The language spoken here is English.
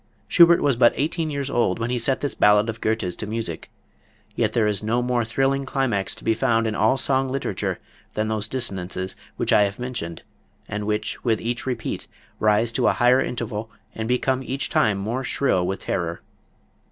Schubert was but eighteen years old when he set this ballad of Goethe's to music; yet there is no more thrilling climax to be found in all song literature than those dissonances which I have mentioned and which with each repeat rise to a higher interval and become each time more shrill with terror.